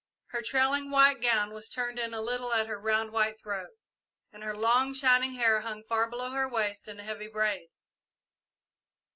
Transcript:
Her trailing white gown was turned in a little at her round, white throat, and her long, shining hair hung far below her waist in a heavy braid.